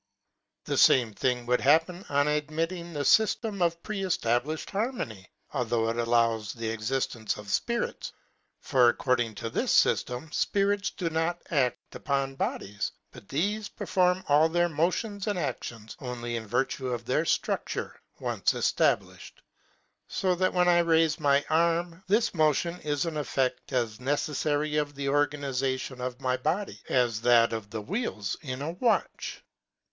The fame thing would happen, on admitting the fyftem of pre eStablifhed harmony, though it allows the existence of fpirits ; for, according to this fyf tem^ fpirits do not act upon bodies, but thefe per form all their motions and actions only in virtue of their ftructure, once eftablifhed ; fo that when I raife my arm, this motion is an effect as neceffary of the organization of my body, as that of the wheels in a watch.